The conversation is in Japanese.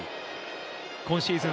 今シーズン